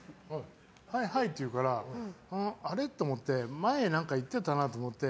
ハイハイって言うからあれ？って思って前言っていたなと思って。